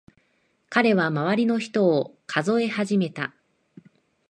彼は周りの人を数え始めた。